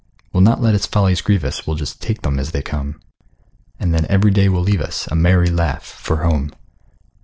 We'll not let its follies grieve us, We'll just take them as they come; And then every day will leave us A merry laugh for home.